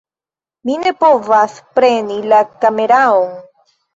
Mi ne povas preni la kameraon